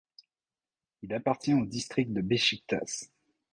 Il appartient au district de Beşiktaş.